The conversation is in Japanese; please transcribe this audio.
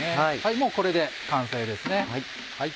もうこれで完成ですね。